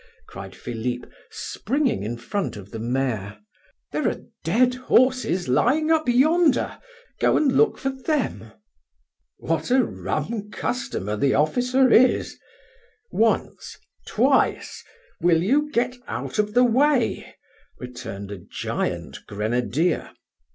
cried Philip, springing in front of the mare. "There are dead horses lying up yonder; go and look for them!" "What a rum customer the officer is! Once, twice, will you get out of the way?" returned a giant grenadier.